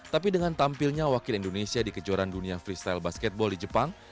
tapi dengan tampilnya wakil indonesia di kejuaraan dunia freestyle basketball di jepang